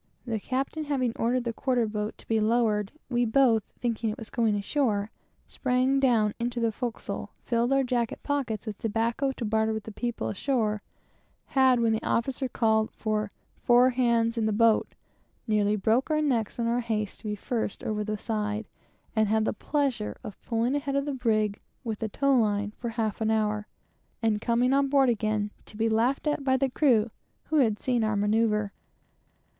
The captain having ordered the quarter boat to be lowered, we both sprang down into the forecastle, filled our jacket pockets with tobacco to barter with the people ashore, and when the officer called for "four hands in the boat," nearly broke our necks in our haste to be first over the side, and had the pleasure of pulling ahead of the brig with a tow line for a half an hour, and coming on board again to be laughed at by the crew, who had seen our manoeuvre.